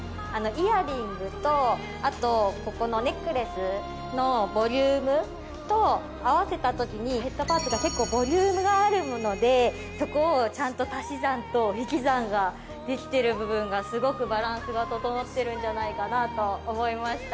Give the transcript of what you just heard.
イヤリングとあとここのネックレスのボリュームと合わせたときにヘッドパーツが結構ボリュームがあるものでそこをちゃんと足し算と引き算ができてる部分がすごくバランスが整ってるんじゃないかなと思いました。